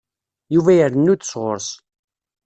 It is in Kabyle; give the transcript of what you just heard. Yuba irennu-d sɣur-s.